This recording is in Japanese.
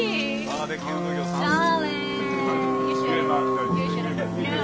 バーベキュー奉行さん。